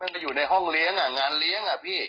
ไปอยู่ในห้องเลี้ยงงานเลี้ยงอ่ะพี่